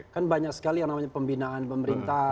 kan banyak sekali yang namanya pembinaan pemerintah